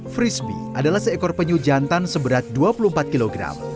frisbee adalah seekor penyu jantan seberat dua puluh empat kg